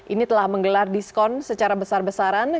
ini telah menggelar diskon secara besar besaran